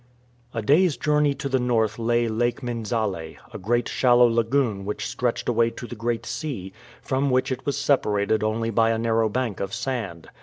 A day's journey to the north lay Lake Menzaleh a great shallow lagoon which stretched away to the Great Sea, from which it was separated only by a narrow bank of sand.